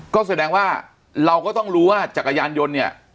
ก็แสดงว่าเราก็ต้องรู้ว่าจักรยานยนต์เนี่ย